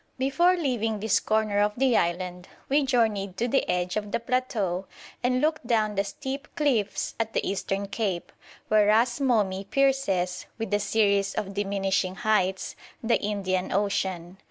Before leaving this corner of the island we journeyed to the edge of the plateau and looked down the steep cliffs at the eastern cape, where Ras Momi pierces, with a series of diminishing heights, the Indian Ocean.